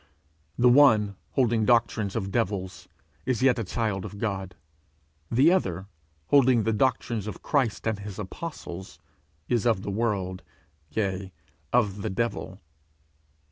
The one, holding doctrines of devils, is yet a child of God; the other, holding the doctrines of Christ and his Apostles, is of the world, yea, of the devil.